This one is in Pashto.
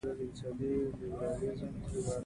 دوه رکعاته نفل مې هم په بیت الله کې وکړ.